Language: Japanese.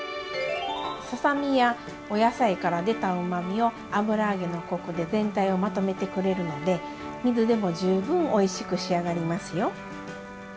ささ身やお野菜から出たうまみを油揚げのコクで全体をまとめてくれるので水でも十分おいしく仕上がりますよ。